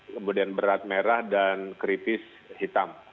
kemudian berat merah dan kritis hitam